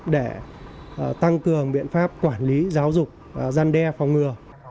để tăng cường biện pháp quản lý giáo dục gian đe phòng ngừa